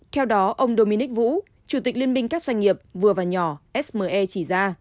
theo đó ông dominic vũ chủ tịch liên minh các doanh nghiệp vừa và nhỏ sme chỉ ra